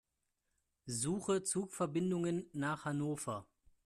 Suche Zugverbindungen nach Hannover.